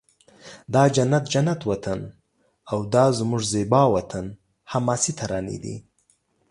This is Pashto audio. دا جنت جنت وطن او دا زموږ زیبا وطن حماسې ترانې دي